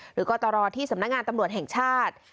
กตรที่สำนักงานตำรวจแห่งชาติ